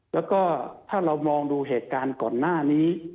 แล้วก็ถ้าเรามองดูเหตุการณ์ก่อนหน้านี้